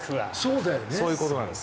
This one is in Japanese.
そういうことです。